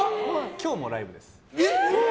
今日もライブです。